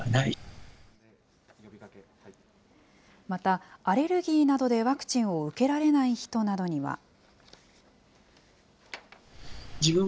また、アレルギーなどでワクチンを受けられない人などには。